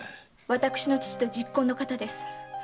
私の父と昵懇の方です。